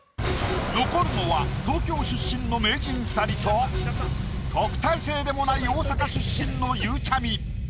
残るのは東京出身の名人２人と特待生でもない大阪出身のゆうちゃみ。